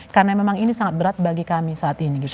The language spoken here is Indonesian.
karena memang ini sangat berat bagi kami saat ini